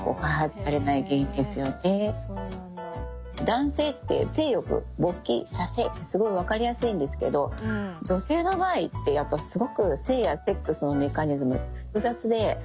男性って性欲勃起射精ってすごい分かりやすいんですけど女性の場合ってやっぱすごく性やセックスのメカニズム複雑で。